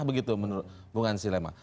menurut bung hansilema